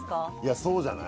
そうじゃない。